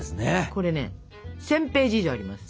これね１，０００ページ以上あります。